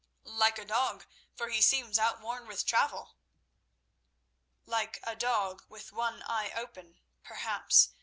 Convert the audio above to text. "Like a dog, for he seems outworn with travel." "Like a dog with one eye open, perhaps.